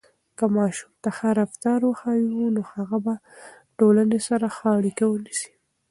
که ماشوم ته ښه رفتار وښیو، نو هغه به ټولنې سره ښه اړیکه ولري.